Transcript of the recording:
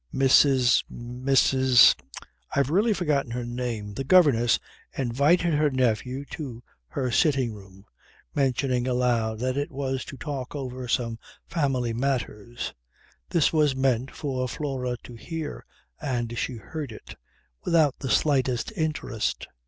Mrs., Mrs. I've really forgotten her name the governess, invited her nephew to her sitting room, mentioning aloud that it was to talk over some family matters. This was meant for Flora to hear, and she heard it without the slightest interest.